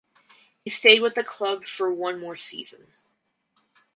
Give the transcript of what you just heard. He stayed with the club for one more season.